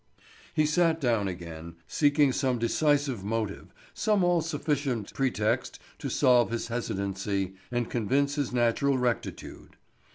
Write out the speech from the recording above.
He sat down again, seeking some decisive motive, some all sufficient pretext to solve his hesitancy and convince his natural rectitude.